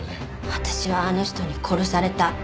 私はあの人に殺された。